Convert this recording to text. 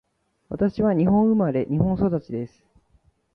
私は日本生まれ、日本育ちです。